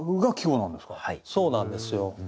そうなんですよ。